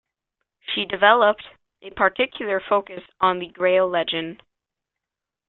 She developed a particular focus on the Grail legend.